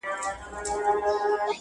دا خواست د مړه وجود دی، داسي اسباب راکه~